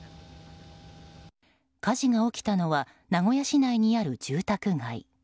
火事が起きたのは名古屋市内にある住宅街。